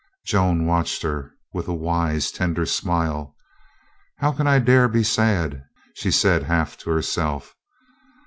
Joy watched her with ,a wise, tender smile. "How can I dare be sad?" she said half to herself.